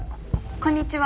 こんにちは。